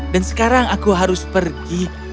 dan sekarang aku harus pergi